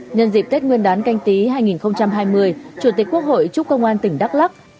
nhân dịp tết nguyên đán canh tí hai nghìn hai mươi chủ tịch quốc hội chúc công an tỉnh đắk lắc